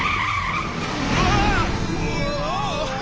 ああ！